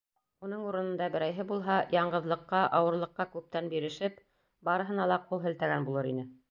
Уның урынында берәйһе булһа, яңғыҙлыҡҡа, ауырлыҡҡа күптән бирешеп, барыһына ла ҡул һелтәгән булыр ине.